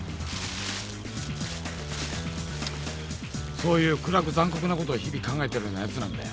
そういう暗く残酷なことを日々考えてるようなヤツなんだ。